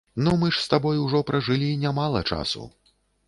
Ну мы ж з табой ужо пражылі нямала часу.